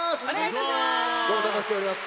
ご無沙汰しております。